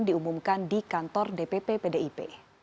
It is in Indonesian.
diumumkan di kantor dpp pdip